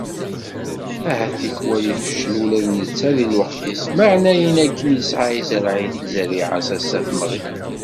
Ahat tikwal ifeccel ula d netta di lweqt-is, meεna ayen akken isεa izreε-it, zzeriεa ass-a temɣi.